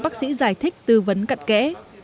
bác sĩ giải thích tư vấn cận kẽ